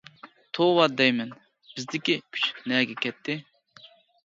توۋا دەيمەن، بىزدىكى كۈچ نەگە كەتتى!